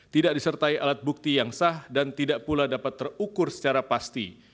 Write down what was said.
tidak disertai alat bukti yang sah dan tidak pula dapat terukur secara pasti